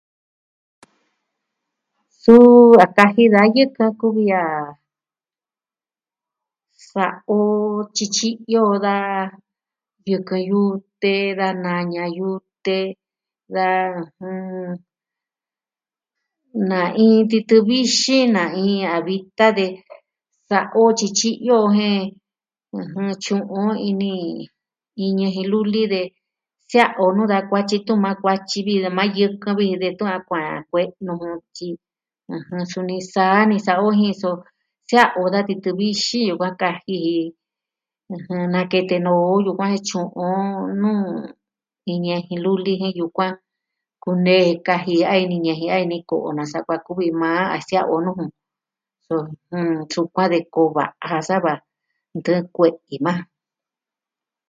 Suu a kaji da yɨkɨn kuvi a sa'a o tyityiyo da yɨkɨn yute, da naña yute, da... jɨn... Naiin titɨ vixin, naiin a vita de sa'a o tyityiyo jen... ɨjɨn tyu'un in ñejin luli de sia'a o nuu da kuatyi tun maa kuatyi vi de maa yɨkɨn vi detun a kuaan kue'e nuu kutyi... ɨjɨn suni saa ni sa'a o jen so sia'a o da titɨ vixin yukuan kaji i. ɨjɨn nakete noo yukuan tyu'un o nuu iin ñejin luli jen yukuan. Kunee kaji a ini ñejin a ini ko'o nasa kuaa kuvi maa a sia'a o nuu ju. Suu, jɨn... sukuan de ko'o va'a sava ntɨɨn kue'i maa ja.